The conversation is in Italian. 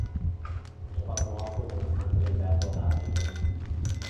Fu trovato morto in una stanza di albergo ad Harlem.